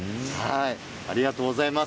ありがとうございます。